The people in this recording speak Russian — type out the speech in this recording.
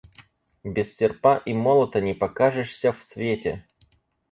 Без серпа и молота не покажешься в свете!